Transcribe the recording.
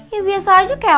ya biasa aja kayak apa